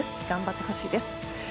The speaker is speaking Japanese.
頑張ってほしいです。